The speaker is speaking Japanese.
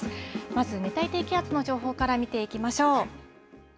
まず熱帯低気圧の情報から見ていきましょう。